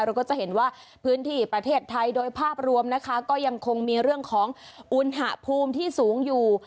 เราก็จะเห็นว่าพื้นที่ประเทศไทยโดยภาพรวมนะคะก็ยังคงมีเรื่องของอุณหภูมิที่สูงอยู่